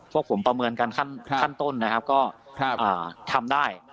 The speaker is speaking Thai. พวกผมประเมินกันขั้นต้นนะครับก็ทำได้